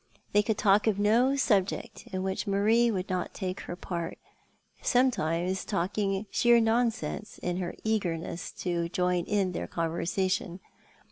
They could talk of no subject in which Marie would not take her part, sometimes talking sheer non sense, in her eagerness to join in their conversation.